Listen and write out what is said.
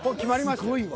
すごいわ。